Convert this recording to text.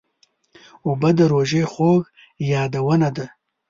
اوبه د روژې خوږ یادونه ده.